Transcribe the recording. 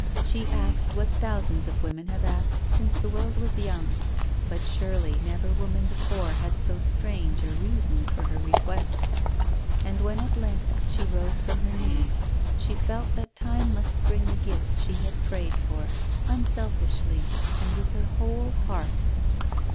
She asked what thousands of women have asked since the world was young. But surely never woman before had so strange a reason for her request. And when at length she rose from her knees she THE DEAD CHILD. 221 felt that time must bring the gift she had prayed for, unselfishly, and with her whole heart.